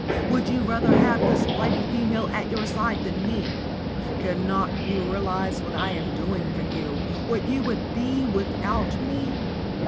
Would you rather have this flighty female at your side than me? Cannot you realise what I am doing for you, what you would be without me?